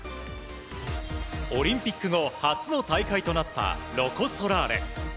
オリンピック後初の大会となったロコ・ソラーレ。